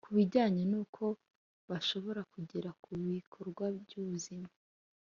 ku bijyanye n'uko bashobora kugera ku bikorwa by'ubuzima.